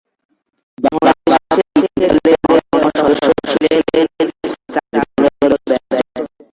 Bangladesh cricket দলের অন্যতম সদস্য সাব্বির মূলতঃ ব্যাটসম্যান।